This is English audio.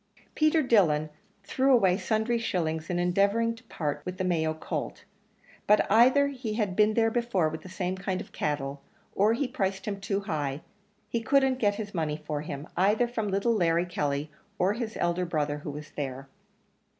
Peter Dillon threw away sundry shillings in endeavouring to part with the Mayo colt, but either he had been there before with the same kind of cattle, or he priced him too high; he couldn't get his money for him, either from little Larry Kelly, or his elder brother who was there.